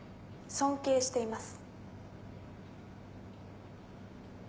尊敬しています。